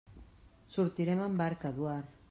Sortirem amb barca, Eduard.